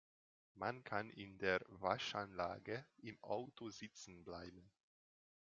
Man kann in der Waschanlage im Auto sitzen bleiben.